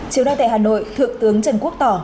chiều nay tại hà nội thượng tướng trần quốc tỏ